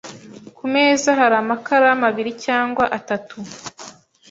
Ku meza hari amakaramu abiri cyangwa atatu .